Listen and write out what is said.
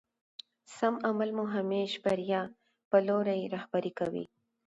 سم عمل مو همېش بريا په لوري رهبري کوي.